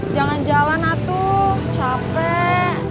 jangan jalan atuh capek